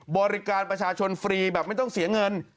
บริการประชาชนฟรีแบบไม่ต้องเสียเงิน